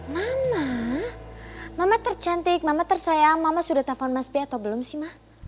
mama mama tersantik mama tersayang mama sudah telfon mas p atau belum sih ma